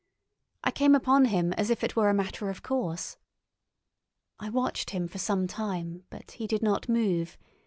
I came upon him as if it were a matter of course. I watched him for some time, but he did not move.